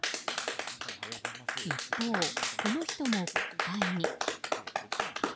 一方、この人も国会に。